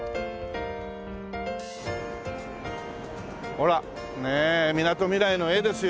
ほらねえみなとみらいの絵ですよね。